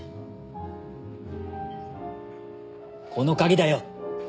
この鍵だよ。